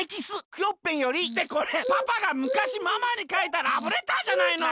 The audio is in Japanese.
クヨッペンより」ってこれパパがむかしママにかいたラブレターじゃないの。